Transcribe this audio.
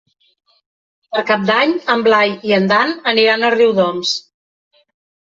Per Cap d'Any en Blai i en Dan aniran a Riudoms.